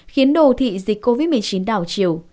khiến đô thị dịch covid một mươi chín đảo chiều